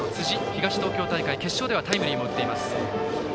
東東京大会決勝ではタイムリーも打っています。